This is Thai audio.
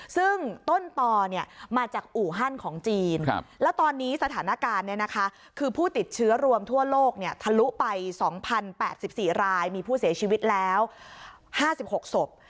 ซึ่งต้นต่อมาจากอู่ฮั่นของจีนแล้วตอนนี้สถานการณ์คือผู้ติดเชื้อรวมทั่วโลกทะลุไป๒๐๘๔รายมีผู้เสียชีวิตแล้ว๕๖ศพ